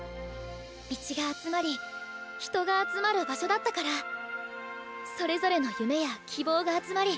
道が集まり人が集まる場所だったからそれぞれの夢や希望が集まり。